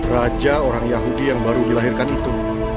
raja orang yahudi yang baru dilahirkan itu